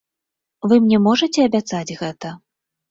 Вы мне можаце абяцаць гэта?